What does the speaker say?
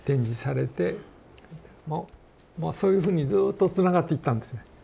まあそういうふうにずっとつながっていったんですね。